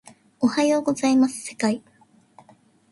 おはようございます世界